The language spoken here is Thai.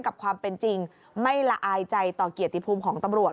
กับความเป็นจริงไม่ละอายใจต่อเกียรติภูมิของตำรวจ